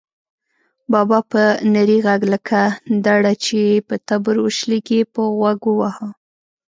بابا په نري غږ لکه دړه چې په تبر وشلېږي، په غوږ وواهه.